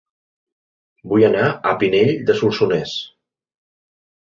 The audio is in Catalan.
Vull anar a Pinell de Solsonès